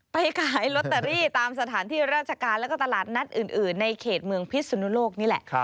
ขายลอตเตอรี่ตามสถานที่ราชการแล้วก็ตลาดนัดอื่นในเขตเมืองพิศนุโลกนี่แหละ